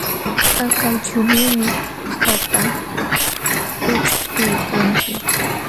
Akakllunuumi qaqata ućhkuykanki.